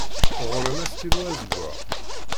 Ɣur-m astilu azeggaɣ?